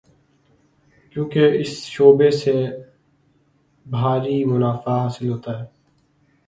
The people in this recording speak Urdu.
کیونکہ اس شعبے سے بھاری منافع حاصل ہوتا ہے۔